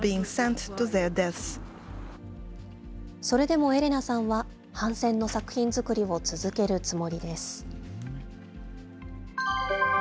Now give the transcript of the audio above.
それでもエレナさんは反戦の作品作りを続けるつもりです。